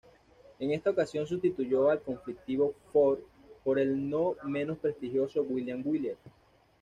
En esta ocasión sustituyó al conflictivo Ford por el no menos prestigioso William Wyler.